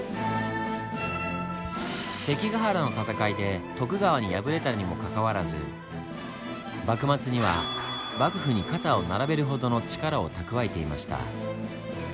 関ヶ原の戦いで徳川に敗れたにもかかわらず幕末には幕府に肩を並べるほどの力を蓄えていました。